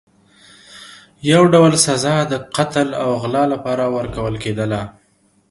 یو ډول سزا د قتل او غلا لپاره ورکول کېدله.